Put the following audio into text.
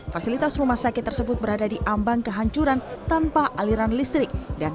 fasilitas rumah sakit tersebut berada di ambang kehancuran tanpa aliran listrik dan